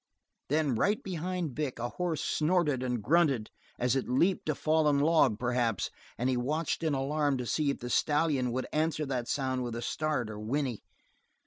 Then right behind Vic a horse snorted and grunted as it leaped a fallen log, perhaps and he watched in alarm to see if the stallion would answer that sound with start or whinney.